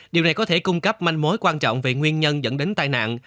điều này có thể cung cấp manh mối quan trọng về nguyên nhân dẫn đến tai nạn